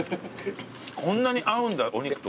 こんなに合うんだお肉と。